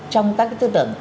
trong các cái tư tưởng